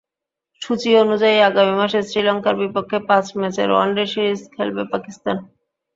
সূচি অনুযায়ী, আগামী মাসে শ্রীলঙ্কার বিপক্ষে পাঁচ ম্যাচের ওয়ানডে সিরিজ খেলবে পাকিস্তান।